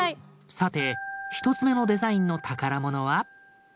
さて１つ目のデザインの宝物は。